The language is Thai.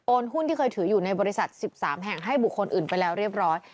หุ้นที่เคยถืออยู่ในบริษัท๑๓แห่งให้บุคคลอื่นไปแล้วเรียบร้อย